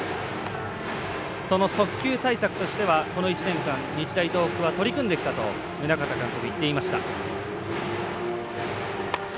その速球対策としてはこの１年間取り組んできたと宗像監督が言っていました。